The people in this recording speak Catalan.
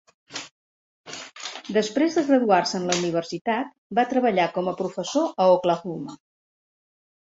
Després de graduar-se en la universitat, va treballar com a professor a Oklahoma.